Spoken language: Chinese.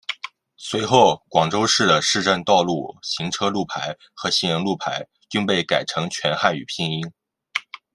随后广州市的市政道路行车路牌和行人路牌均被改成全汉语拼音。